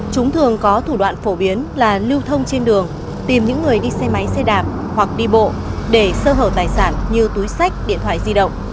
chúng thường có thủ đoạn phổ biến là lưu thông trên đường tìm những người đi xe máy xe đạp hoặc đi bộ để sơ hở tài sản như túi sách điện thoại di động